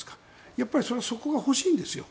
やっぱりそれはそこが欲しいんですよ。